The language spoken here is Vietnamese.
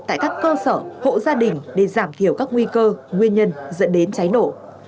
tại các cơ sở hộ gia đình để giảm thiểu các nguy cơ nguyên nhân dẫn đến cháy nổ